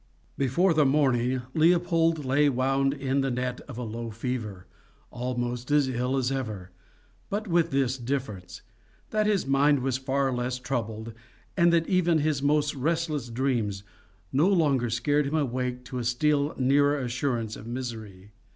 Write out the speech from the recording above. Before the morning Leopold lay wound in the net of a low fever, almost as ill as ever, but with this difference, that his mind was far less troubled, and that even his most restless dreams no longer scared him awake to a still nearer assurance of misery.